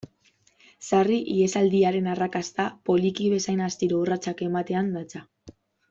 Sarri, ihesaldiaren arrakasta, poliki bezain astiro urratsak ematean datza.